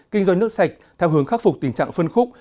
kinh doanh nước sạch theo hướng khắc phục tình trạng phân khúc